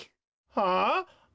はあ？